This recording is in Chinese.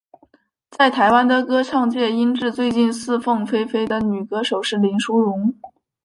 在台湾的歌唱界音质最近似凤飞飞的女歌手是林淑容。